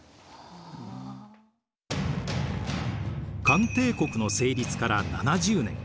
漢帝国の成立から７０年。